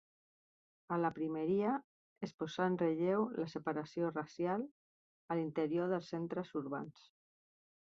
A la primeria, es posà en relleu la separació racial a l'interior dels centres urbans.